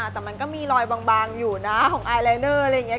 แต่มันก็มีลอยบางอยู่หน้าของอายเลนเนอร์อะไรอย่างเงี้ย